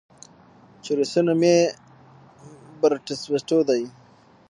چې روسي نوم ئې Bratstvoدے